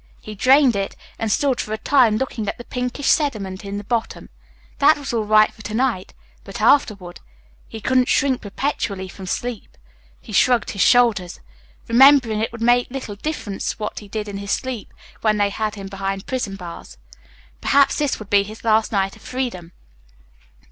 He drained it, and stood for a time looking at the pinkish sediment in the bottom. That was all right for to night, but afterward he couldn't shrink perpetually from sleep. He shrugged his shoulders, remembering it would make little difference what he did in his sleep when they had him behind prison bars. Perhaps this would be his last night of freedom.